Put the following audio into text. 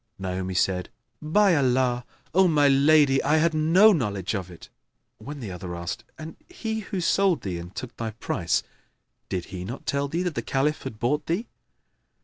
Naomi said, "By Allah, O my lady, I had no knowledge of it!"; when the other asked, "And he who sold thee and took thy price did he not tell thee that the Caliph had bought thee?"